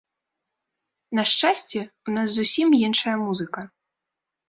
На шчасце, у нас зусім іншая музыка.